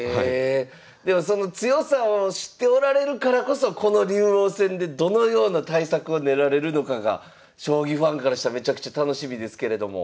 でもその強さを知っておられるからこそこの竜王戦でどのような対策を練られるのかが将棋ファンからしたらめちゃくちゃ楽しみですけれども。